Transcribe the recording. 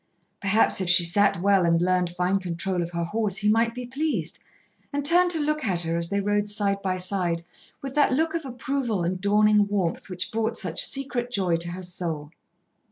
Perhaps if she sat well, and learned fine control of her horse, he might be pleased, and turn to look at her, as they rode side by side, with that look of approval and dawning warmth which brought such secret joy to her soul.